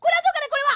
これは。